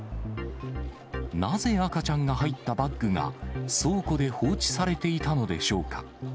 なぜ赤ちゃんが入ったバッグが倉庫で放置されていたのでしょうか。